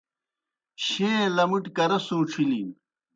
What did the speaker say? شیں لمُٹیْ کرہ سُوݩڇِھلِن